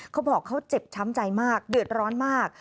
เขาบอกเขาเจ็บช้ำใจมากเดือดร้อนมาก